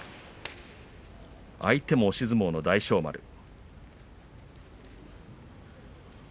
相手も押し相撲の大翔丸。